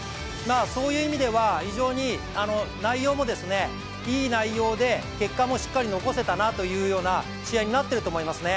そういう意味では、非常に内容もいい内容で結果もしっかり残せたなというような試合になってると思いますね。